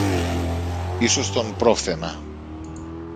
ίσως τον πρόφθαινα.